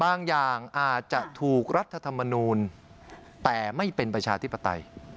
บางอย่างอาจจะถูกรัฐธรรมนูลแต่ไม่เป็นประชาธิปไตย